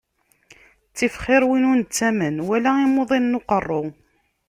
Ttif xiṛ win ur nettamen wala imuḍinen n uqeṛṛu.